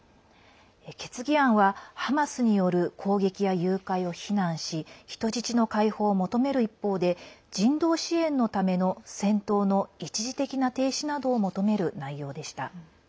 決議案は、ハマスによる攻撃や誘拐を非難し人質の解放を求める一方で人道支援のための戦闘の一時的な停止などを求める内容でした。